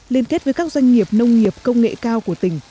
liên kết với các doanh nghiệp nông nghiệp công nghệ cao của tỉnh